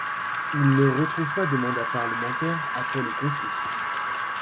Il ne retrouve pas de mandat parlementaire après le conflit.